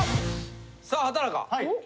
さあ畠中。